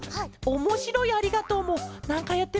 おもしろい「ありがとう」は。